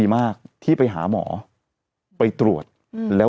เราก็มีความหวังอะ